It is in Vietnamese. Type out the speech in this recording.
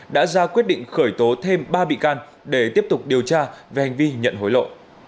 đã ra quyết định khởi tố thêm ba bị can để tiếp tục điều tra về hành vi nhận hối lộ